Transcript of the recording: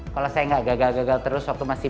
kalau saya nggak gagal gagal terus waktu masih